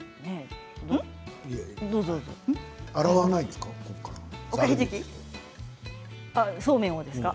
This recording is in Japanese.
洗わないんですか？